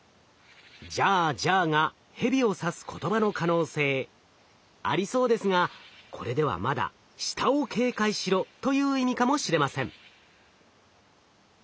「ジャージャー」がヘビを指す言葉の可能性ありそうですがこれではまだ「下を警戒しろ」という意味かもしれません。